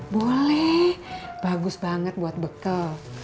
boleh bagus banget buat bekal